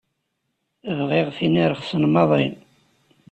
Bɣiɣ tin irexsen maḍi.